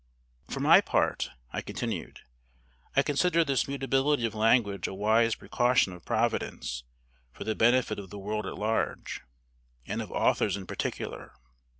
"For my part," I continued, "I consider this mutability of language a wise precaution of Providence for the benefit of the world at large, and of authors in particular.